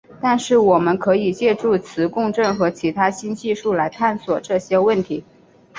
但是我们可以借助磁共振和其他新技术来探索这些问题。